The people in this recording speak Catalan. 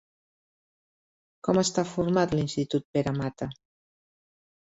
Com està format l'Institut Pere Mata?